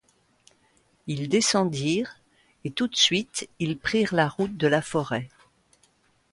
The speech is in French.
Ils descendirent, et tout de suite ils prirent la route de la forêt.